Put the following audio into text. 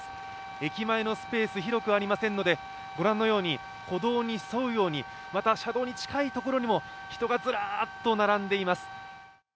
駅前のスペース、広くありませんので、御覧のように歩道に沿うようにまた車道に近いところにも人がずらっと並んでいます。